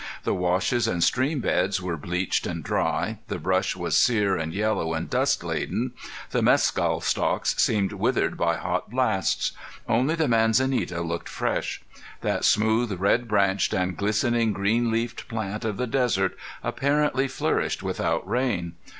The washes and stream beds were bleached and dry; the brush was sear and yellow and dust laden; the mescal stalks seemed withered by hot blasts. Only the manzanita looked fresh. That smooth red branched and glistening green leafed plant of the desert apparently flourished without rain.